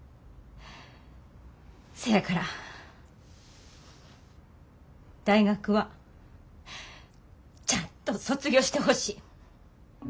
せやから大学はちゃんと卒業してほしい。